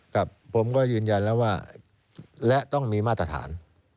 ครับผมก็ยืนยันแล้วว่าและต้องมีมาตรฐาน